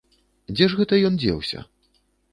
Дзе ж гэта ён дзеўся?